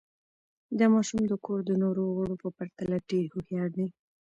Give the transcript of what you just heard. دا ماشوم د کور د نورو غړو په پرتله ډېر هوښیار دی.